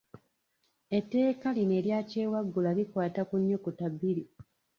Etteeka lino erya kyewaggula likwata ku nnyukuta bbiri.